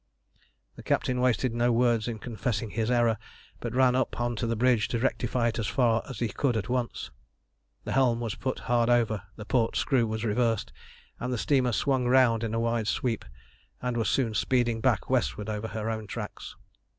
The captain wasted no words in confessing his error, but ran up on to the bridge to rectify it as far as he could at once. The helm was put hard over, the port screw was reversed, and the steamer swung round in a wide sweep, and was soon speeding back westward over her own tracks.